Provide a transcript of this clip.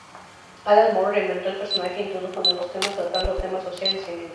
Alan Moore reinventó el personaje e introdujo nuevos temas, tratando temas sociales y ambientales.